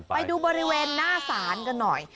ไปดูบริเวณหน้าศาลกันหน่อย